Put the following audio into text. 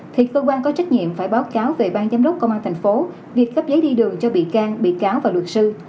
thì cơ quan có trách nhiệm phải báo cáo về ban giám đốc công an tp hcm việc cắp giấy đi đường cho bị can bị cáo và luật sư